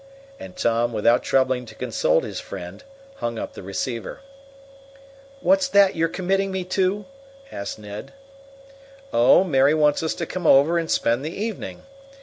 And Tom, without troubling to consult his friend, hung up the receiver. "What's that you're committing me to?" asked Ned. "Oh, Mary wants us to come over and spend the evening.